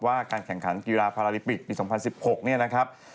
การแข่งขันกีฬาพาราลิปิกปี๒๐๑๖เนี่ยนะครับ